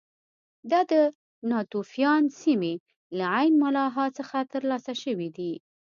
دا د ناتوفیان سیمې له عین ملاحا څخه ترلاسه شوي دي